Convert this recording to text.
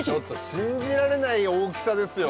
信じられない大きさですよ。